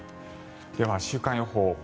では、週間予報。